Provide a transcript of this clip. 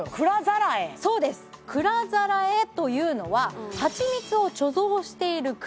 そうです蔵ざらえというのははちみつを貯蔵している蔵